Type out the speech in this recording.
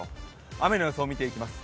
雨の予想を見ていきます。